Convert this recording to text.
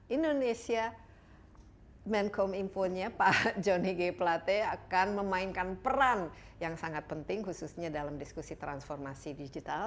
indonesia menkom infonya pak jonny g plate akan memainkan peran yang sangat penting khususnya dalam diskusi transformasi digital